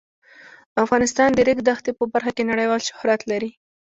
افغانستان د د ریګ دښتې په برخه کې نړیوال شهرت لري.